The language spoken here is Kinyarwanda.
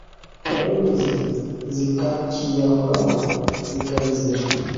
naho injiji zikakiyahuraho zikabizira